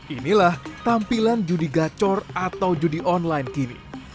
inilah tampilan judi gacor atau judi online kini